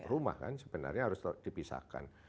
rumah kan sebenarnya harus dipisahkan